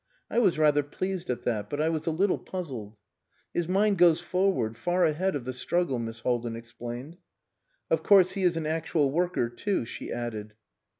I was rather pleased at that but I was a little puzzled. "His mind goes forward, far ahead of the struggle," Miss Haldin explained. "Of course, he is an actual worker too," she added.